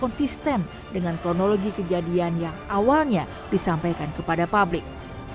kondisi tersebut terkait dengan kronologi kejadian yang awalnya disampaikan kepada publik